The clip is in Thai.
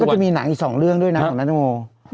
แล้วก็จะมีหนังอีก๒เรื่องด้วยนะของน้องแตงโม